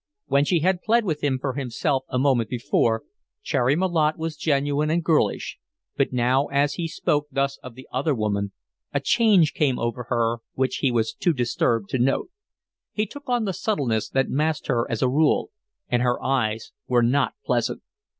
When she had pled with him for himself a moment before Cherry Malotte was genuine and girlish but now as he spoke thus of the other woman a change came over her which he was too disturbed to note. She took on the subtleness that masked her as a rule, and her eyes were not pleasant.